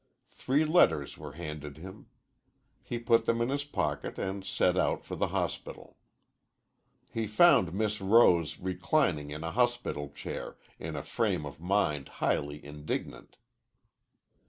Three letters were handed him. He put them in his pocket and set out for the hospital. He found Miss Rose reclining in a hospital chair, in a frame of mind highly indignant.